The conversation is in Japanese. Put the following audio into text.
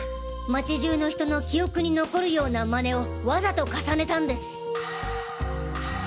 町中の人の記憶に残るような真似をわざと重ねたんです！